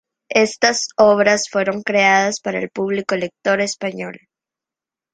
Estas obras fueron creadas para el público lector español.